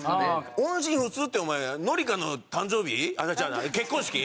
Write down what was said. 音信不通ってお前紀香の誕生日違うな結婚式？